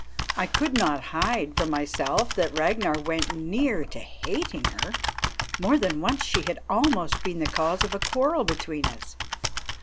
I could not hide from myself that Ragnar went near to hating her; more than once she had almost been the cause of a quarrel between us.